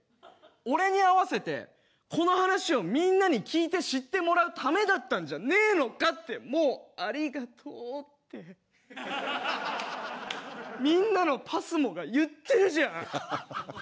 俺に会わせてこの話をみんなに聞いて知ってもらうためだったんじゃねえのかってもう「ありがとう」ってみんなのパスモが言ってるじゃん！